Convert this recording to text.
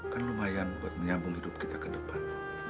kan lumayan buat menyambung hidup kita ke depan